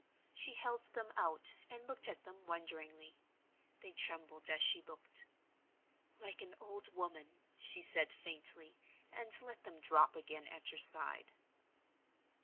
She held them out, and looked at them wonderingly; they trembled as she looked. "Like an old woman!" she said, faintly, and let them drop again at her side.